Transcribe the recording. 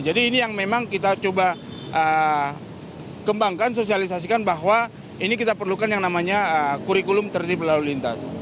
jadi ini yang memang kita coba kembangkan sosialisasikan bahwa ini kita perlukan yang namanya kurikulum tertib berlalu lintas